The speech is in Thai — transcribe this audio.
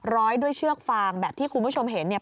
ร้อยด้วยเชือกฟางแบบที่คุณผู้ชมเห็นเนี่ย